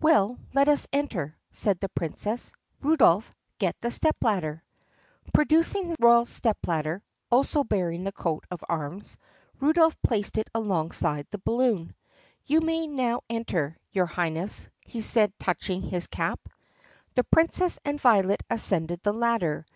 "Well, let us enter," said the Princess. "Rudolph, get the step ladder!" Producing the royal step ladder (also bearing the coat of arms), Rudolph placed it alongside the balloon. "You may now enter, your Highness," he said touching his cap. The Princess and Violet ascended the ladder.